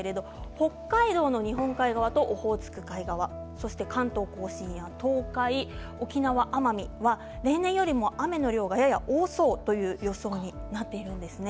北海道の日本海側とオホーツク海側関東甲信や東海、沖縄奄美は例年よりも雨の量が多そうという予想になっています。